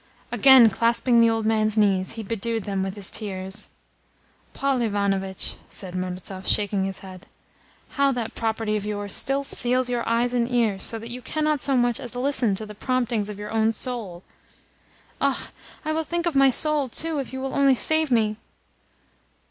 Again clasping the old man's knees, he bedewed them with his tears. "Paul Ivanovitch," said Murazov, shaking his head, "how that property of yours still seals your eyes and ears, so that you cannot so much as listen to the promptings of your own soul!" "Ah, I will think of my soul, too, if only you will save me."